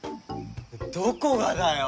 どこがだよ！